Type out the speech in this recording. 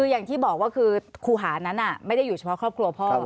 อย่างที่บอกว่าคือครูหานั้นไม่ได้อยู่เฉพาะครอบครัวพ่อ